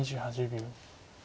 ２８秒。